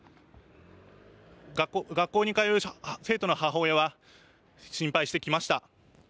学校に通う生徒の母親は心配してきました。